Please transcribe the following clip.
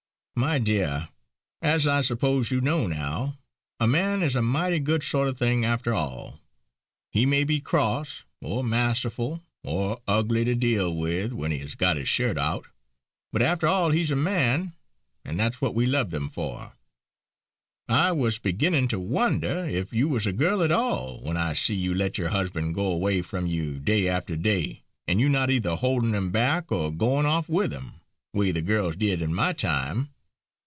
My dear, as I suppose you know now, a man is a mighty good sort of a thing after all. He may be cross, or masterful, or ugly to deal with when he has got his shirt out; but after all he's a man, and that's what we love them for. I was beginning to wonder if you was a girl at all, when I see you let your husband go away from you day after day and you not either holdin' him back, or goin' off with him, way the girls did in my time.